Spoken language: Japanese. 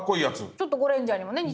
ちょっと「ゴレンジャー」にも似た。